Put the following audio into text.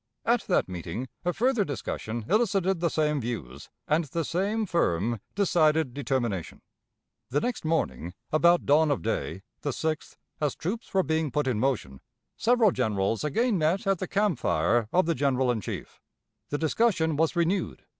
At that meeting a further discussion elicited the same views, and the same firm, decided determination. The next morning, about dawn of day, the 6th, as the troops were being put in motion, several generals again met at the camp fire of the general in chief. The discussion was renewed.